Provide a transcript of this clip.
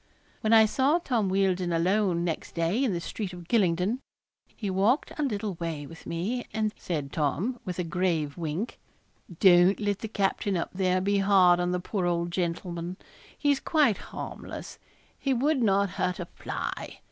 When I saw Tom Wealdon alone next day in the street of Gylingden, he walked a little way with me, and, said Tom, with a grave wink 'Don't let the captain up there be hard on the poor old gentleman. He's quite harmless he would not hurt a fly.